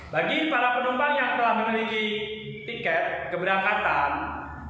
bagi para penumpang yang telah memiliki tiket keberangkatan